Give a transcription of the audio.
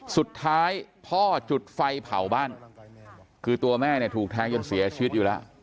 สุดท้ายพ่อจุดไฟเผาบ้านคือตัวแม่เนี่ยถูกแทงจนเสียชีวิตอยู่แล้ว